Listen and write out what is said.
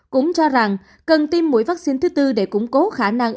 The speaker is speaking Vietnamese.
cũng cho rằng cần tiêm mũi vắc xin thứ tư để củng cố khả năng